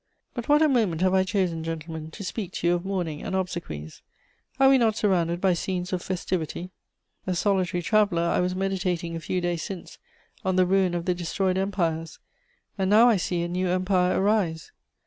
"But what a moment have I chosen, gentlemen, to speak to you of mourning and obsequies! Are we not surrounded by scenes of festivity? A solitary traveller, I was meditating a few days since on the ruin of the destroyed empires: and now I see a new empire arise.